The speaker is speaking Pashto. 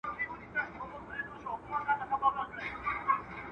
که ټولنه څېړني ته پام ونکړي نو وروسته پاتې کیږي.